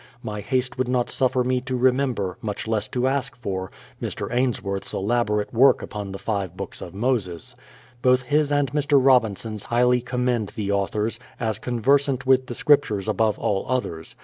My haste would not suffer me to remember, much less to ask for, Mr. Ainsworth's elaborate work upon the five Books of Moses. Both his and Mr. Robinson's highly commend the authors, as conversant with the scriptures above all others.